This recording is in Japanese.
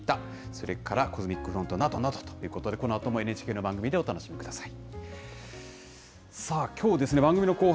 それからコズミックフロントなどなど、このあともＮＨＫの番組でお楽しみください。